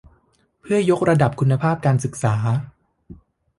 เพื่อยกระดับคุณภาพการศึกษา